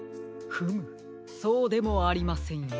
フムそうでもありませんよ。